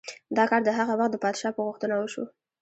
دا کار د هغه وخت د پادشاه په غوښتنه وشو.